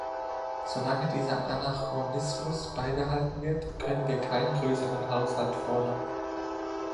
So lange dieser Anachronismus beibehalten wird, können wir keinen größeren Haushalt fordern.